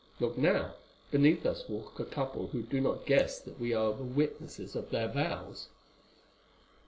Look now, beneath us walk a couple who do not guess that we are the witnesses of their vows.